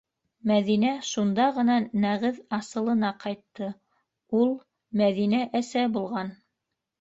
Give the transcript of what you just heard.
Мәҙинә шунда ғына нәғеҙ асылына ҡайтты: ул, Мәҙинә, әсә булған.